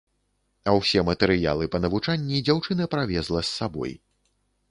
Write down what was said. А ўсе матэрыялы па навучанні дзяўчына правезла з сабой.